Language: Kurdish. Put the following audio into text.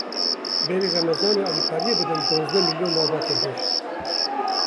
Berî Remezanê alîkariyê bidin duwazdeh milyon malbatên hejar.